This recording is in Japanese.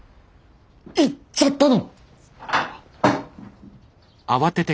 言っちゃったの！？